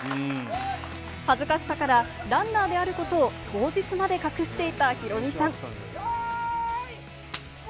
恥ずかしさから、ランナーであることを当日まで隠していたヒロミさん。